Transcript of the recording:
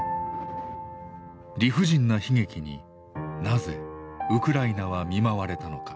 理不尽な悲劇になぜウクライナは見舞われたのか。